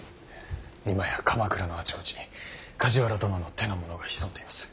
今や鎌倉のあちこちに梶原殿の手の者が潜んでいます。